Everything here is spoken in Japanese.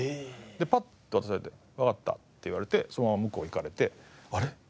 でパッと渡されて「わかった」って言われてそのまま向こう行かれてあれ？